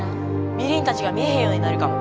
ミリンたちが見えへんようになるかも。